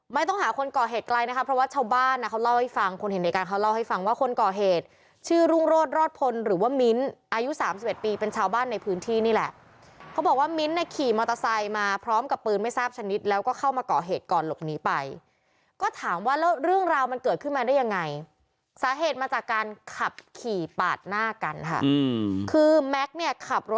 ไม่ต้องหาคนก่อเหตุไกลนะครับเพราะว่าชาวบ้านนะเขาเล่าให้ฟังคนเห็นในการเขาเล่าให้ฟังว่าคนก่อเหตุชื่อรุงรถรอดพลหรือว่ามิ้นต์อายุ๓๑ปีเป็นชาวบ้านในพื้นที่นี่แหละเขาบอกว่ามิ้นต์ในขี่มอเตอร์ไซค์มาพร้อมกับปืนไม่ทราบชนิดแล้วก็เข้ามาก่อเหตุก่อนหลบนี้ไปก็ถามว่าเรื่องราวมันเกิ